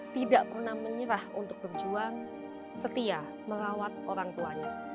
tidak pernah menyerah untuk berjuang setia merawat orang tuanya